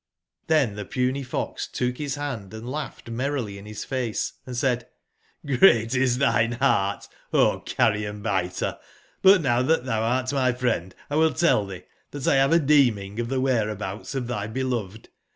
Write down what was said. ^^^nSJV tbe puny fox took bis band, & laugbed ^^ii merrily in bis face, and said :*' Great is tbine ^^^ bearttO carrion/biter t But now tbat tbou art my friend! will tell tbee tbatXbave a deeming of tbe whereabouts of tby beloved.